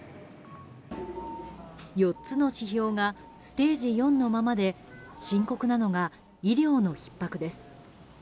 ４つの指標がステージ４のままで深刻なのが医療のひっ迫です。